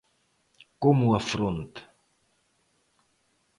Como o afronta?